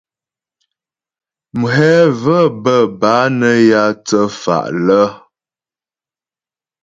Mghɛ və̀ bə́ bâ nə́ yǎ thə́fa' lə́.